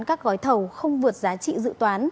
các gói thầu không vượt giá trị dự toán